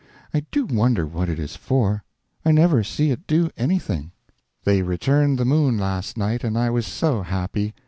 I do wonder what it is for; I never see it do anything. They returned the moon last night, and I was_ so_ happy!